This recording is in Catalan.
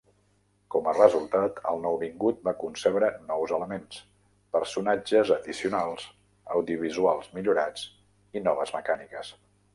Com a resultat, el nouvingut va concebre nous elements: personatges addicionals, audiovisuals millorats, i noves mecàniques.